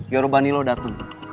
yorobani lo datu